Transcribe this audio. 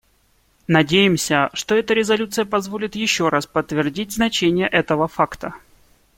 Надеемся, что эта резолюция позволит еще раз подтвердить значение этого факта.